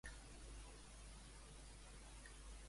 On es van gravar per primer cop aquests?